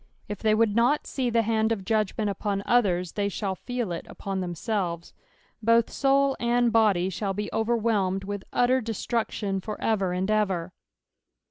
If they would not see the hand of judgment upon others, they shall feel it upon themseWes. Both soul and body shall be overwhelmed with utter destruction for ever and ever.